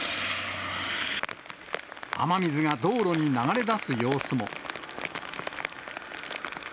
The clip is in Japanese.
雨水が道路に流れ出す様子も。